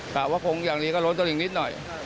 แต่ว่าคงอย่างนี้ก็ลดต่ออีกนิดหน่อย